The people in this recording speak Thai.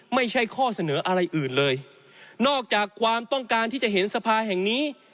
ไม่ใช่ข้อเสนออะไรอื่นเลยนอกจากความต้องการที่จะเห็นสภาแห่งนี้